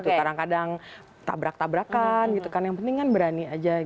kadang kadang tabrak tabrakan yang penting kan berani aja